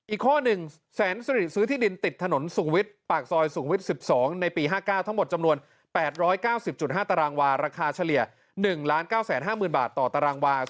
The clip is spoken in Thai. อีกข้อ๑แสนสิริซื้อที่ดินติดถนนสูงวิทย์ปากซอยสูงวิทย์๑๒ในปี๕๙ทั้งหมดจำนวน๘๙๐๕ตารางวาราคาเฉลี่ย๑๙๕๐๐๐บาทต่อตารางวา